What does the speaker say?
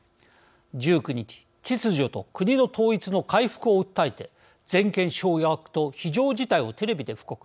１９日秩序と国の統一の回復を訴えて全権掌握と非常事態をテレビで布告